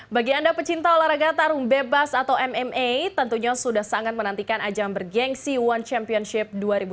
bagi anda pecinta olahraga tarung bebas atau mma tentunya sudah sangat menantikan ajang bergensi one championship dua ribu dua puluh